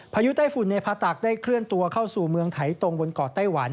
ยุไต้ฝุ่นในพาตักได้เคลื่อนตัวเข้าสู่เมืองไถตรงบนเกาะไต้หวัน